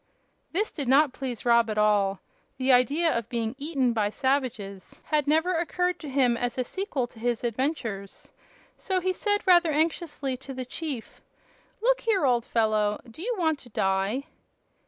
This did not please Rob at all. The idea of being eaten by savages had never occurred to him as a sequel to his adventures. So he said rather anxiously to the chief. "Look here, old fellow; do you want to die?"